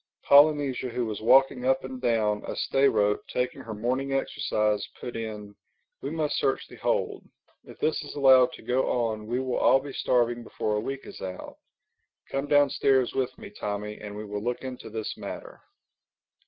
Polynesia who was walking up and down a stay rope taking her morning exercise, put in, "We must search the hold. If this is allowed to go on we will all be starving before a week is out. Come downstairs with me, Tommy, and we will look into this matter."